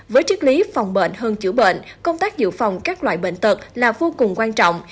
với chức lý phòng bệnh hơn chữa bệnh công tác dự phòng các loại bệnh tật là vô cùng quan trọng